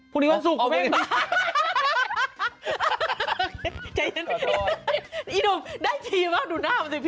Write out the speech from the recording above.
พรุ่งนี้วันสุก